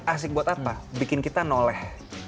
asik buat apa bikin kita noleh